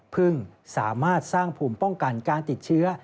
พึ่งสามารถสร้างภูมิป้องกันการติดเชื้อ